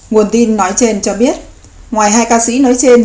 nguồn tin nói trên cho biết ngoài hai ca sĩ nói trên